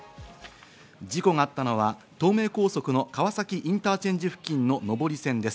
事故があったのは東名高速の川崎インターチェンジ付近の上り線です。